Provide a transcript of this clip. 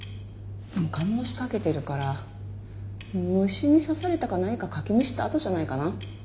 化膿しかけてるから虫に刺されたか何かかきむしった痕じゃないかな。